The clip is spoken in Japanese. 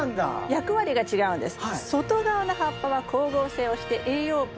役割が違うんです。